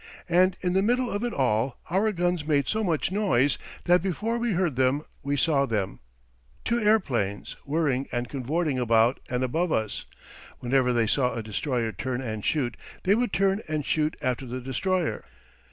And in the middle of it all, our guns made so much noise that before we heard them we saw them two airplanes, whirring and cavorting about and above us. Whenever they saw a destroyer turn and shoot, they would turn and shoot after the destroyer.